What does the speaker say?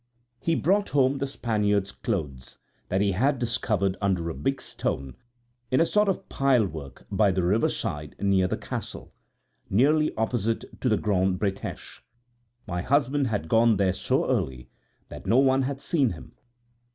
He brought home the Spaniard's clothes, that he had discovered under a big stone, in a sort of pilework by the river side near the castle, nearly opposite to the Grande Bretêche. My husband had gone there so early that no one had seen him.